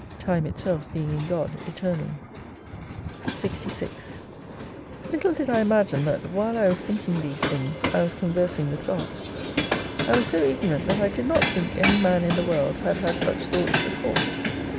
Time itself being in God eternally. o 66 Little did I imagine that, while I was thinking these things, I was conversing with God. I was so ignorant that I did not think any man in the World had had such thoughts before.